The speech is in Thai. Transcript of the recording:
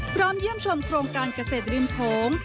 เยี่ยมชมโครงการเกษตรริมโขง